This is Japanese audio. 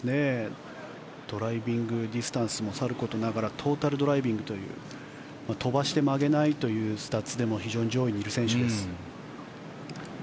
ドライビングディスタンスもさることながらトータルドライビングという飛ばして曲げないという非常に上位にいる選手です。